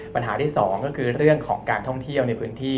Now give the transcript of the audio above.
ปัญหาที่สองก็คือเรื่องของการท่องเที่ยวในพื้นที่